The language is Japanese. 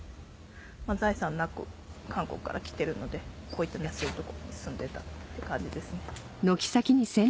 財産なく韓国から来てるのでこういった安いとこに住んでたって感じですね。